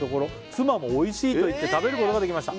「妻もおいしいと言って食べることができました」